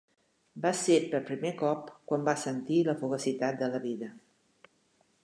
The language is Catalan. Va ser per primer cop quan va sentir la fugacitat de la vida.